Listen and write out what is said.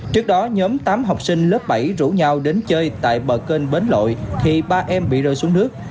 trước đó nhóm tám học sinh lớp bảy rủ nhau đến chơi tại bờ kênh bến lội thì ba em bị rơi xuống nước